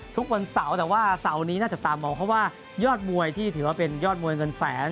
ทุกวันเสาร์แต่ว่าเสาร์นี้น่าจับตามองเพราะว่ายอดมวยที่ถือว่าเป็นยอดมวยเงินแสน